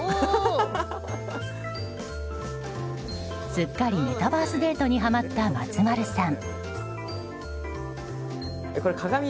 すっかりメタバースデートにハマった松丸さん。